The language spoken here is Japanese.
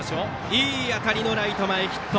いい当たりのライト前ヒット。